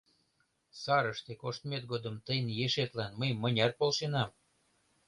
Сарыште коштмет годым тыйын ешетлан мый мыняр полшенам?